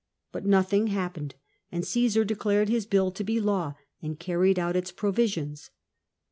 But nothing happened, and Csesar declared his bill to be law, and carried out its provisions.